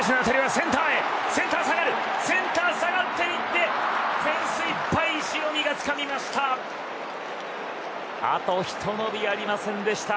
センター下がっていってフェンスいっぱい塩見がつかみました。